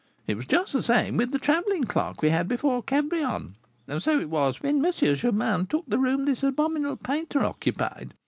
It was just the same with the travelling clerk we had here before Cabrion, and so it was when M. Germain took the room this abominable painter occupied.